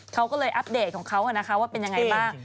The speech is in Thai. เขาก็เลยอัปเดตของเขาว่าเป็นอย่างไรบ้าง